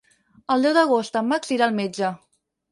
El deu d'agost en Max irà al metge.